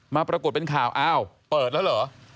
ปรากฏเป็นข่าวอ้าวเปิดแล้วเหรอ